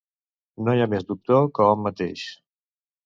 No hi ha més doctor que hom mateix.